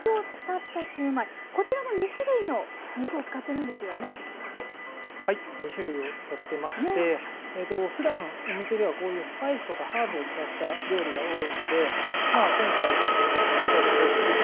２種類を使ってましてふだんお店ではこういうスパイスとかハーブを使った料理が多いのでまあ今回紹介したレシピうちらしいレシピになっております。ね。